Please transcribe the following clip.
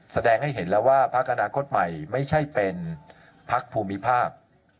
แสดงให้เห็นแล้วว่าพักอนาคตใหม่ไม่ใช่เป็นพักภูมิภาค